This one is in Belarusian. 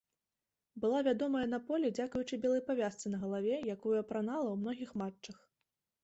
Была вядомая на поле дзякуючы белай павязцы на галаве, якую апранала ў многіх матчах.